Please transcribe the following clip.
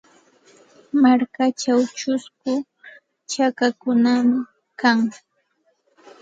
Markachaw chusku chakakunam kan.